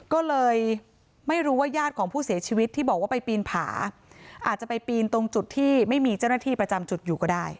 ก็เลยไม่รู้ว่าญาติของผู้เสียชีวิตที่บอกว่าไปปีนผาอาจจะไปปีนตรงจุดที่ไม่มีเจ้าหน้าที่ประจำจุดอยู่ก็ได้